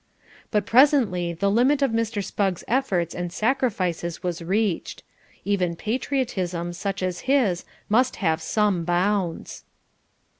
But presently the limit of Mr. Spugg's efforts and sacrifices was reached. Even patriotism such as his must have some bounds.